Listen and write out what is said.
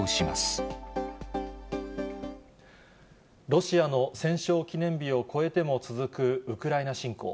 ロシアの戦勝記念日を越えても続くウクライナ侵攻。